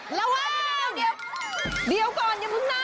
ระวังเดี๋ยวก่อนยังเพิ่งนั่ง